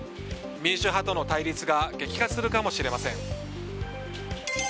民主派との対立が激化するかもしれません。